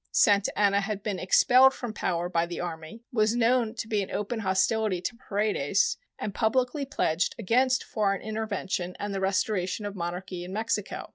Santa Anna had been expelled from power by the army, was known to be in open hostility to Paredes, and publicly pledged against foreign intervention and the restoration of monarchy in Mexico.